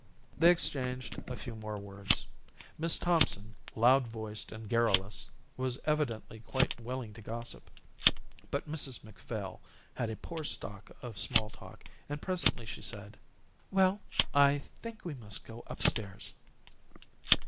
They exchanged a few more words. Miss Thompson, loud voiced and garrulous, was evidently quite willing to gossip, but Mrs Macphail had a poor stock of small talk and presently she said: "Well, I think we must go upstairs."